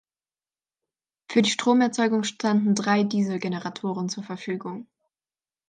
Für die Stromerzeugung standen drei Dieselgeneratoren zur Verfügung.